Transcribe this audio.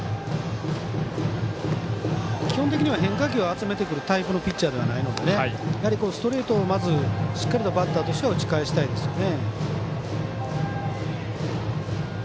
基本的には変化球を集めてくるタイプのピッチャーではないのでやはりストレートをしっかりとバッターとしては打ち返したいですよね。